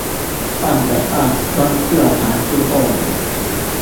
淡北道終究還是過了